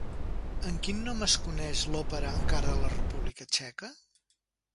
Amb quin nom es coneix l'òpera encara a la República Txeca?